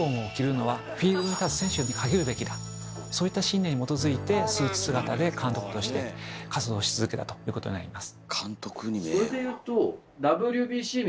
そういった信念に基づいてスーツ姿で監督として活動し続けたということが言えます。